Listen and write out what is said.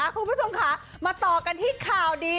คุณผู้ชมค่ะมาต่อกันที่ข่าวดี